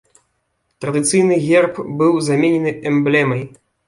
Традыцыйны герб быў заменены эмблемай.